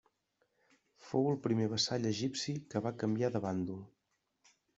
Fou el primer vassall egipci que va canviar de bàndol.